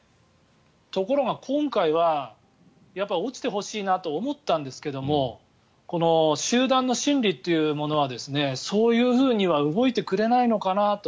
ところが、今回は落ちてほしいなと思ったんですけどもこの集団の心理というものはそういうふうには動いてくれないのかなと。